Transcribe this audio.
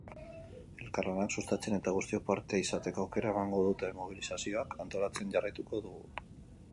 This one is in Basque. Elkarlanak sustatzen eta guztiok parte izateko aukera emango duten mobilizazioak antolatzen jarraituko dugu.